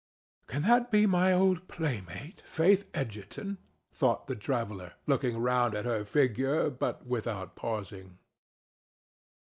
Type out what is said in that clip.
"Can that be my old playmate Faith Egerton?" thought the traveller, looking round at her figure, but without pausing.